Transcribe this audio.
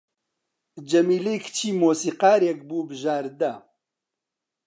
جەمیلەی کچی مۆسیقارێک بوو بژاردە